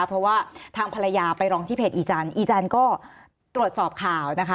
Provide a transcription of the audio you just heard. เพราะว่าทางภรรยาไปร้องที่เพจอีจันทร์อีจันทร์ก็ตรวจสอบข่าวนะคะ